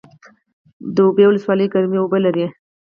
د اوبې ولسوالۍ ګرمې اوبه لري